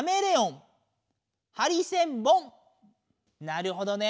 なるほどね。